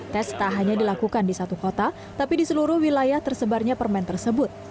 tes tak hanya dilakukan di satu kota tapi di seluruh wilayah tersebarnya permen tersebut